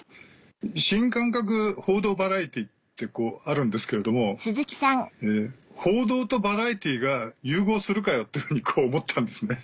新感覚報道バラエティーってあるんですけれども報道とバラエティーが融合するかよって思ったんですね。